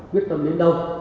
quyết tâm đến đâu